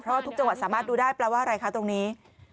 เพราะทุกจังหวัดสามารถดูได้แปลว่าอะไรคะตรงนี้